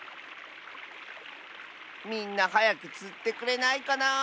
みんなはやくつってくれないかな。